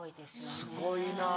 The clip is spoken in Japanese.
すごいな。